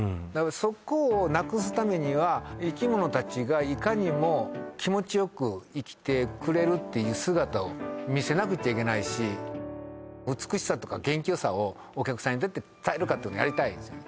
そこをなくすためには生き物たちがいかにも気持ちよく生きてくれるっていう姿を見せなくっちゃいけないし美しさとか元気よさをお客さんにどうやって伝えるかっていうのやりたいんですよね